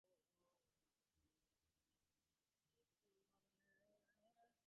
কেননা, তাঁরা সরকার গঠনের ক্ষেত্রে কোনো রকম বিরূপ প্রভাব ফেলতে পারবেন না।